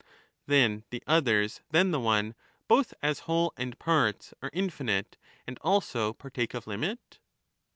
Then the others than the one, both as whole and parts, both as are infinite, and also partake of limit.